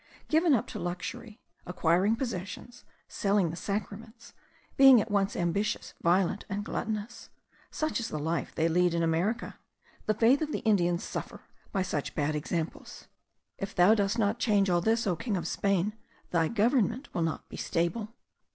Given up to luxury, acquiring possessions, selling the sacraments, being at once ambitious, violent, and gluttonous; such is the life they lead in America. The faith of the Indians suffer by such bad examples. If thou dost not change all this, O King of Spain, thy government will not be stable.